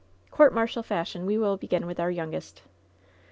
Court martial fashion, we will begin with our youngest.